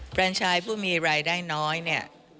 แฟนชายผู้มีรายได้น้อยเนี่ย